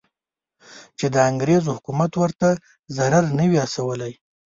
چې د انګریز حکومت ورته ضرر نه وي رسولی.